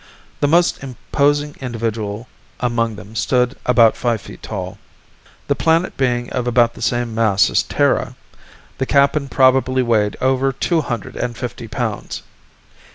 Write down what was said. The most imposing individual among them stood about five feet tall. The planet being of about the same mass as Terra, the Kappan probably weighed over two hundred and fifty pounds.